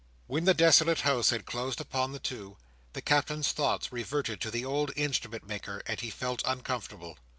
When the desolate house had closed upon the two, the Captain's thoughts reverted to the old Instrument maker, and he felt uncomfortable.